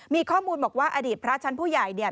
มีข้อมูลบอกว่าอดีตพระชั้นผู้ใหญ่เนี่ย